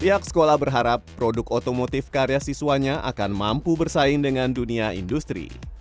pihak sekolah berharap produk otomotif karya siswanya akan mampu bersaing dengan dunia industri